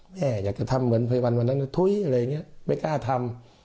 แม่อยากจะทำเหมือนภัยวันวันนั้นก็ถุ้ยอะไรอย่างนี้ไม่กล้าทำ